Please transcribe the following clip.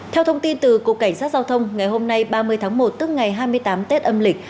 theo thông tin từ cục cảnh sát giao thông ngày hôm nay ba mươi tháng một tức ngày hai mươi tám tết âm lịch